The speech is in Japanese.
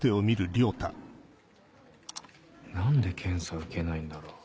何で検査受けないんだろう。